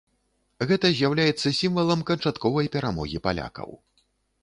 Гэта з'яўляецца сімвалам канчатковай перамогі палякаў.